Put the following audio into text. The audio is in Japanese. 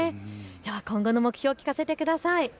今後の目標、聞かせてください。